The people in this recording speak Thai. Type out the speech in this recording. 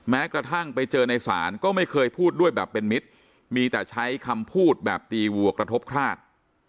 แม้กระทั่งไปเจอในศาลก็ไม่เคยพูดด้วยแบบเป็นมิตรมีแต่ใช้คำพูดแบบตีวัวกระทบคลาด